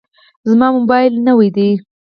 زما موبایل نوی دی.